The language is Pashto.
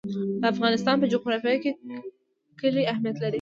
د افغانستان په جغرافیه کې کلي اهمیت لري.